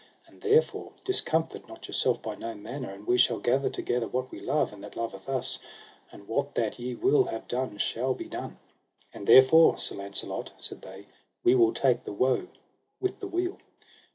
And therefore discomfort not yourself by no manner, and we shall gather together that we love, and that loveth us, and what that ye will have done shall be done. And therefore, Sir Launcelot, said they, we will take the woe with the weal.